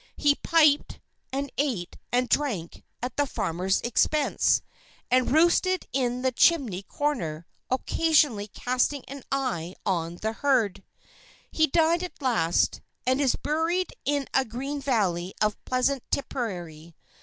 He piped, and ate and drank at the farmer's expense, and roosted in the chimney corner, occasionally casting an eye on the herd. He died at last; and is buried in a green valley of pleasant Tipperary.